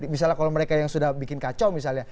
misalnya kalau mereka yang sudah bikin kacau misalnya